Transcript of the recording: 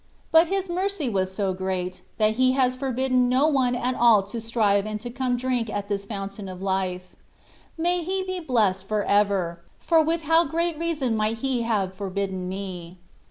But His mercy was so great, that He has forbidden no one at all to strive and come to drink at this fountain of life. May He be blessed for ever, for with how great reason might He have forbidden me.